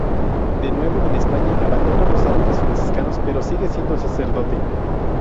De nuevo en España abandona los hábitos franciscanos, pero sigue siendo sacerdote.